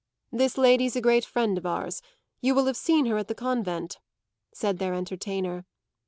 "This lady's a great friend of ours; you will have seen her at the convent," said their entertainer.